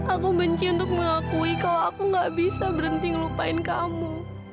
aku benci untuk mengakui kalau aku gak bisa berhenti ngelupain kamu